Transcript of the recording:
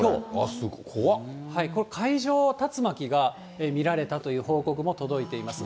すごっ、これ、海上竜巻が見られたという報告も届いています。